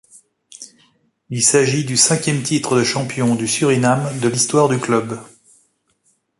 Il s’agit du cinquième titre de champion du Suriname de l'histoire du club.